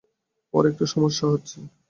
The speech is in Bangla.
ওর একটু সমস্যা হচ্ছে।